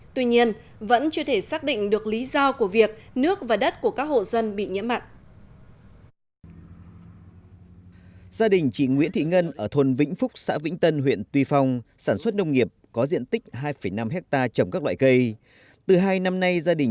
tuy nhiên vẫn chưa thể xác định được lý do của việc nước và đất của các hộ dân bị nhiễm mặn